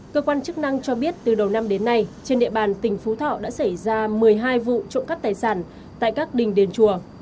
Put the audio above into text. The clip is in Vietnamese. cơ quan chức năng cho biết từ đầu năm đến nay trên địa bàn tỉnh phú thọ đã xảy ra một mươi hai vụ trộm cắp tài sản tại các đình đền chùa